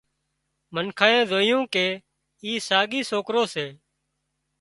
منکانئي زويون ڪي اي ساڳي سوڪرو سي